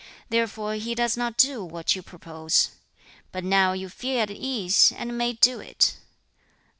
Therefore he does not do what you propose. But now you feel at ease and may do it.'